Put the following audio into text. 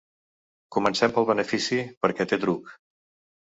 Comencem pel benefici, perquè té truc.